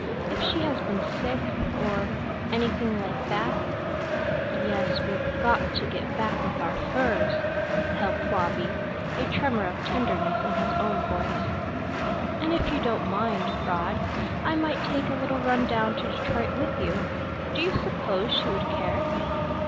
"If she has been sick or anything like that " "Yes, we've got to get back with our furs," helped Wabi, a tremor of tenderness in his own voice. "And if you don't mind, Rod, I might take a little run down to Detroit with you. Do you suppose she would care?"